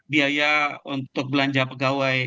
biaya untuk belanja pegawai